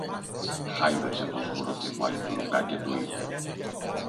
Χάιδεψε το σγουρό κεφάλι του Λουκά και του είπε: